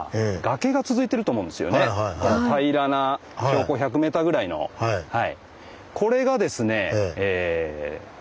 平らな標高１００ｍぐらいの。はあ！